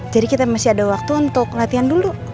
kita masih ada waktu untuk latihan dulu